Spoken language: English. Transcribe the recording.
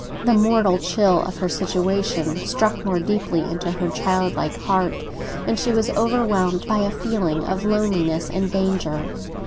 The mortal chill of her situation struck more deeply into her child like heart, and she was overwhelmed by a feeling of loneliness and danger.